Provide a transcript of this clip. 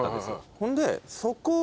ほんでそこを。